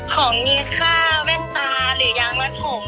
ของมีข้าวแม่งตาหรือยางมัดผม